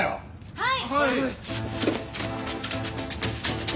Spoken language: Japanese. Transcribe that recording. ・はい！